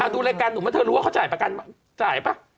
ดูรายการหนุ่มเมื่อเธอรู้ว่าเขาจ่ายประกันจ่ายป่ะ